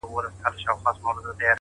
o زما اشنا خبري پټي ساتي ـ